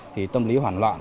thì tâm lý hoảng loạn